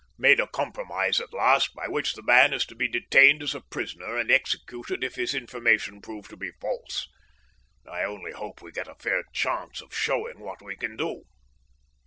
Made a compromise at last by which the man is to be detained as a prisoner and executed if his information prove to be false. I only hope we get a fair chance of showing what we can do.